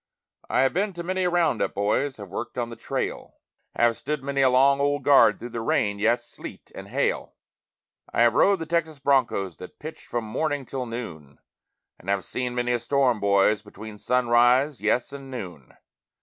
I have been to many a round up, boys, have worked on the trail, Have stood many a long old guard through the rain, yes, sleet, and hail; I have rode the Texas broncos that pitched from morning till noon, And have seen many a storm, boys, between sunrise, yes, and noon.